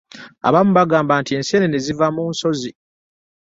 Abamu bagamba nti ensenene ziva mu nsozi.